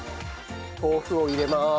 豆腐を入れます。